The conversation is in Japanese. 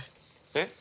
えっ？